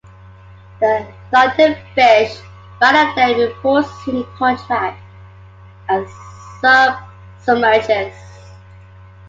The "Thunderfish's" radar then reports a single contact, and the sub submerges.